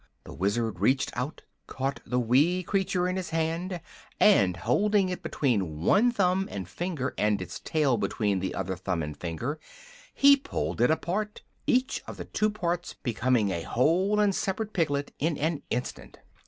The Wizard reached out, caught the wee creature in his hand, and holding its head between one thumb and finger and its tail between the other thumb and finger he pulled it apart, each of the two parts becoming a whole and separate piglet in an instant.